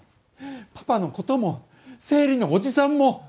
パパのことも生理のおじさんも。